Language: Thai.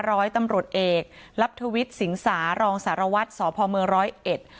ร้อยตำรวจเอกลับทวิทย์สิงสารองสารวัตรสพรรอ